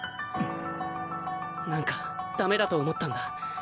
なんかダメだと思ったんだ。